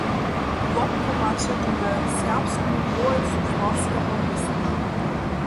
Wobchowaće tule "serbsku" połojcu farskeho městna?